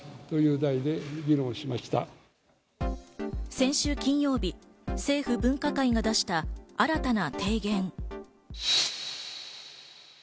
先週金曜日、政府分科会が出した新たな提言。